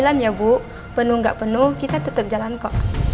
jika kamu penuh atau tidak kita tetap pergi